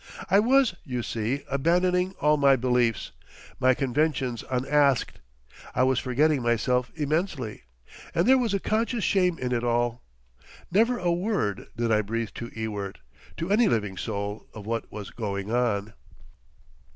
I was, you see, abandoning all my beliefs, my conventions unasked. I was forgetting myself immensely. And there was a conscious shame in it all. Never a word—did I breathe to Ewart—to any living soul of what was going on.